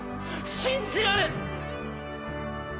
信じられ。